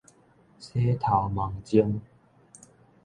洗頭毛精